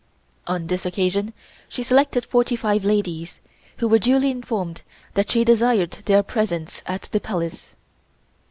On this occasion she selected forty five ladies, who were duly informed that she desired their presence at the Palace.